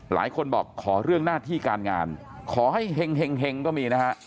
หลายคนบอกขอเรื่องหน้าที่การงานขอให้เห็งก็มีนะฮะ